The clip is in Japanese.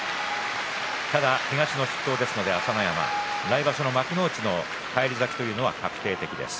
ただ、東の筆頭ですので朝乃山は来場所、幕内への返り咲きは確定的です。